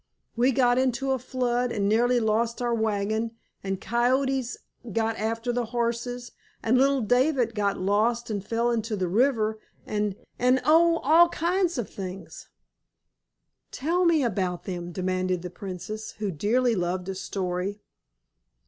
"We got into a flood an' nearly lost our wagon, and coyotes got after the horses, and little David got lost an' fell into the river, an'—an'—oh, all kinds of things!" "Tell me about them," demanded the Princess, who dearly loved a story.